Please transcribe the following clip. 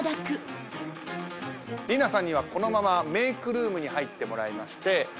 りいなさんにはこのままメークルームに入ってもらいまして